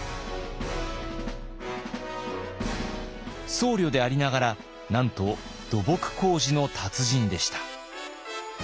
僧侶でありながらなんと土木工事の達人でした。